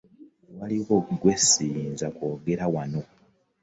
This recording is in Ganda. Waliwo bye ssiyinza kwogera wano.